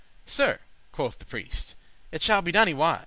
"Sir," quoth the priest, "it shall be done, y wis."